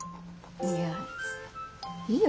いやいいよ